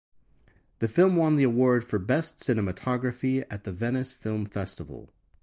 The film won the Award for Best Cinematography at the Venice Film Festival.